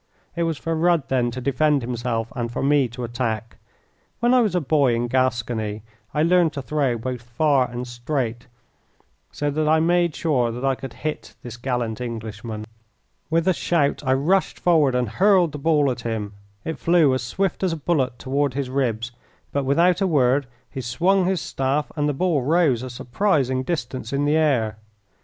It was for Rudd then to defend himself and for me to attack. When I was a boy in Gascony I learned to throw both far and straight, so that I made sure that I could hit this gallant Englishman. With a shout I rushed forward and hurled the ball at him. It flew as swift as a bullet toward his ribs, but without a word he swung his staff and the ball rose a surprising distance in the air.